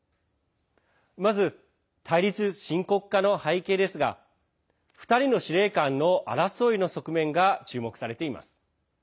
まず、対立深刻化の背景ですが２人の司令官の争いの側面が注目されています。